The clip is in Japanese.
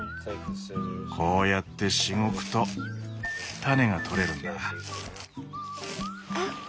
こうやってしごくと種がとれるんだ。